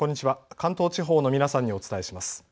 関東地方の皆さんにお伝えします。